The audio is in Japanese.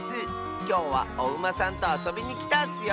きょうはおウマさんとあそびにきたッスよ。